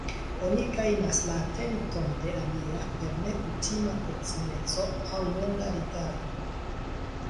Oni gajnas la atenton de alia per nekutima proksimeco aŭ longa rigardo.